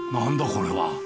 これは。